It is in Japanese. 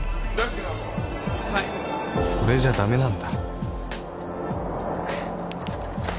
それじゃダメなんだ